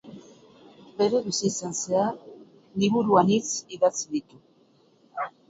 Bere bizitzan zehar liburu anitz idatzi ditu.